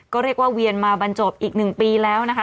ก็เรียกว่าเวียนมาบรรจบอีก๑ปีแล้วนะคะ